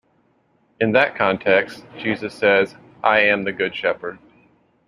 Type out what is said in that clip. In that context, Jesus says, I am the good shepherd.